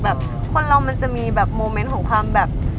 คนเรามันจะมีแบบโมเมนต์ของความแบบ